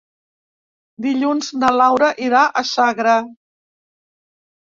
Dilluns na Laura irà a Sagra.